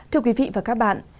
thưa quý vị và các bạn